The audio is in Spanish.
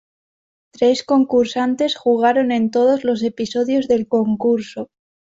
Tres concursantes jugaron en todos los episodios del concurso.